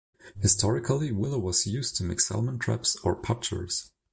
Historically willow was used to make salmon traps or "putchers".